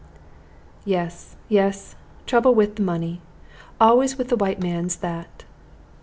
"Yes, yes; trouble with the money. Always with the white mans that."